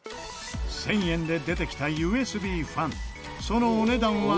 １０００円で出てきたＵＳＢファンそのお値段は。